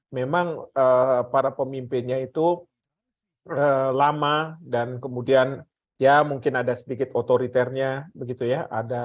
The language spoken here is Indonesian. memang para pemimpinnya itu lama dan kemudian ya mungkin ada sedikit otoriternya begitu ya